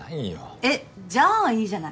えっじゃあいいじゃない。